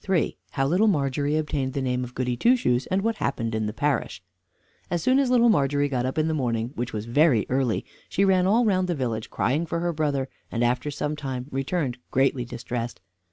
III HOW LITTLE MARGERY OBTAINED THE NAME OF GOODY TWO SHOES, AND WHAT HAPPENED IN THE PARISH As soon as Little Margery got up in the morning, which was very early, she ran all round the village, crying for her brother; and after some time returned greatly distressed.